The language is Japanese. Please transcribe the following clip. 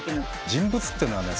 人物っていうのはね